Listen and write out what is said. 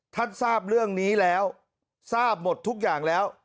ทราบเรื่องนี้แล้วทราบหมดทุกอย่างแล้ว